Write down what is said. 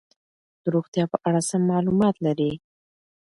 د روغتیا په اړه سم معلومات لري.